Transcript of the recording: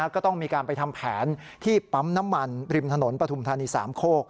ก็ต้องมีการไปทำแผนที่ปั๊มน้ำมันริมถนนปฐุมธานีสามโคก